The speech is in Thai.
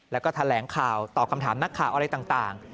แล้วก็แถลงข่าวตอบคำถามนักข่าวอะไรต่าง